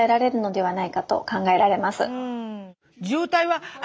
はい。